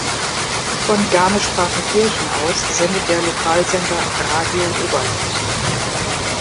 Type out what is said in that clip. Von Garmisch-Partenkirchen aus sendet der Lokalsender Radio Oberland.